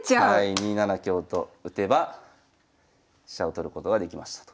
２七香と打てば飛車を取ることができましたと。